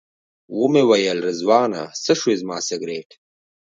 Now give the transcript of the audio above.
ومې ویل رضوانه څه شو زما سګرټ.